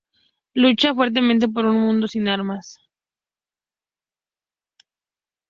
Lucha fuertemente por un mundo sin armas.